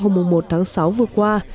hôm một tháng sáu vừa qua